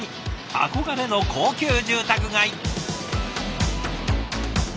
憧れの高級住宅街。